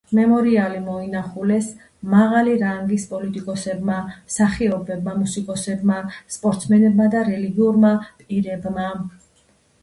მემორიალი მოინახულეს მაღალი რანგის პოლიტიკოსებმა, მსახიობებმა, მუსიკოსებმა, სპორტსმენებმა და რელიგიურმა პირებმა.